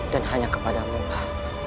dan hanya kepadamu lah